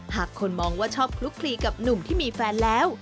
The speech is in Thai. หากคนมองว่าชอบคลุกคลีกับหนุ่มที่มีแฟนแล้ว